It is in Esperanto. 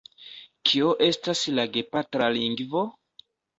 Kio estas la gepatra lingvo?